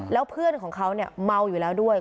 แล้วเพื่อนของเขาเนี่ยเมาอยู่แล้วด้วย